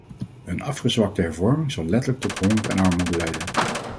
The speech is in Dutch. Een afgezwakte hervorming zal letterlijk tot honger en armoede leiden.